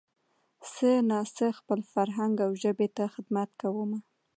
څه نا څه خپل فرهنګ او ژبې ته خدمت کومه